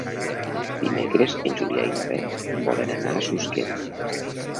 Dimecres en Julià i na Beth volen anar a Susqueda.